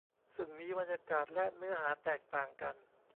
ซึ่งมีบรรยากาศและเนื้อหาแตกต่างกัน